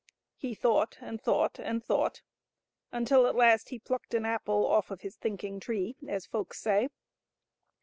He thought and thought and thought, until at last he plucked an apple off of his thinking tree, as folks say.